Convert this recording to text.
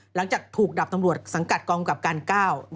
หลังจากถูกดับตำรวจสังกัดกองกับการ๙